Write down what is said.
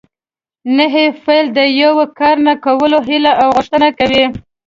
نهي فعل د یو کار نه کولو هیله او غوښتنه کوي.